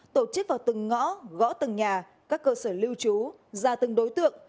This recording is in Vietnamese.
tổ chức vào từng ngõ gõ từng nhà các cơ sở lưu trú ra từng đối tượng